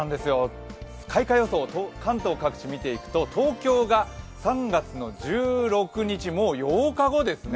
開花予想、関東各地を見ていくと、東京が３月１６日、もう８日後ですね。